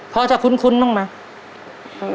พอจะคุ้นบ้างไหม